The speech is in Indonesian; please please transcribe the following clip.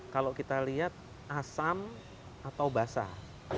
kalau kita lihat asam atau basah